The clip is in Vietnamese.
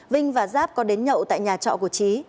vinh và giáp có đến nhậu tại nhà trọ của trí